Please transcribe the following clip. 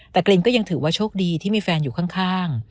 แต่กรินก็ยังถือว่าโชคดีที่มีแฟนอยู่ข้าง